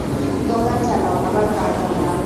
দোকান চালাও, আবার ভাড়া দেও না।